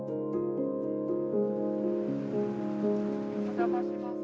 お邪魔します。